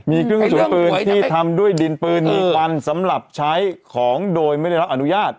มีเครื่องสูญปืนที่ทำด้วยดินปืนมีควันสำหรับใช้ของโดยไม่ได้รับอนุญาต